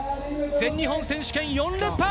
全日本選手権４連覇。